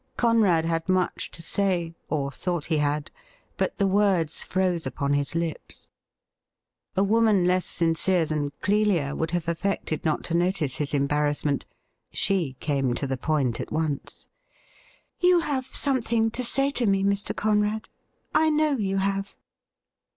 Conrad had much to say, or thought he had, but the words froze upon his lips. A woman less sincere than Clelia would have affected not to notice his embarrassment. She came to the point at once. 'You have something to say to me, Mr. Conrad; I know you have.'